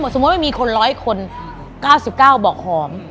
สมมุติว่ามีคน๑๐๐คน๙๙บอกหอม